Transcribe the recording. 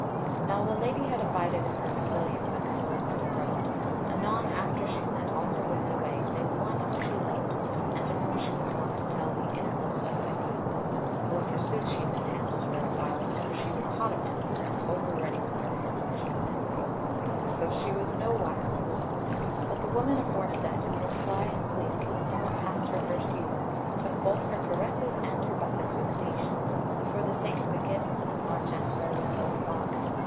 Now, the Lady had abided in her pavilion when her Lord went abroad; anon after she sent all her women away, save one whom she loved, and to whom she was wont to tell the innermost of her mind; though forsooth she mishandled her at whiles; for she was hot of temper, and over ready with her hands when she was angry; though she was nowise cruel. But the woman aforesaid, who was sly and sleek, and somewhat past her first youth, took both her caresses and her buffets with patience, for the sake of the gifts and largesse wherewith they were bought.